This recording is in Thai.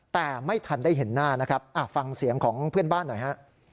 แต่ไม่ทันได้เห็นหน้านะครับฟังเสียงของเพื่อนบ้านหน่อยฮะ